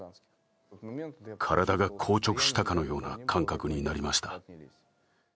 体が硬直したかのような感覚になりました。